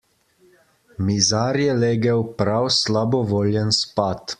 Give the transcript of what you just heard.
Mizar je legel prav slabovoljen spat.